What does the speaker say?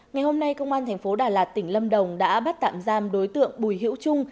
ngày hôm nay công an tp đà lạt tỉnh lâm đồng đã bắt tạm giam đối tượng bùi hiễu trung